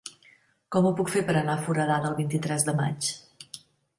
Com ho puc fer per anar a Foradada el vint-i-tres de maig?